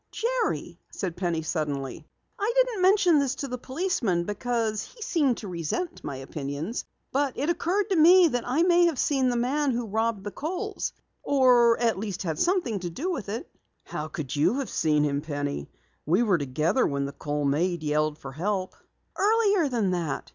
"Jerry," said Penny suddenly, "I didn't mention this to the policeman because he seemed to resent my opinions. But it occurred to me that I may have seen the man who robbed the Kohls or at least had something to do with it." "How could you have seen him, Penny? We were together when the Kohl maid yelled for help." "Earlier than that.